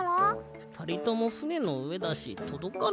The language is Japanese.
ふたりともふねのうえだしとどかないよ。